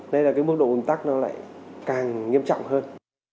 nên là cái mức độ ồn tắc nó lại càng nghiêm trọng hơn